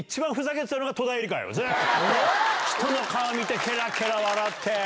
ずっとひとの顔見てケラケラ笑って。